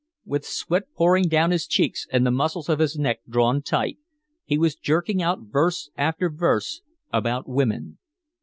With sweat pouring down his cheeks and the muscles of his neck drawn taut, he was jerking out verse after verse about women.